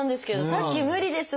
さっき「無理です。